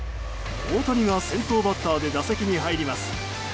大谷が先頭バッターで打席に入ります。